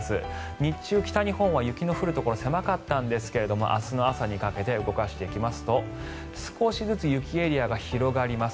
日中、北日本は雪の降るところ狭かったんですが明日の朝にかけて動かしていきますと少しずつ雪エリアが広がります。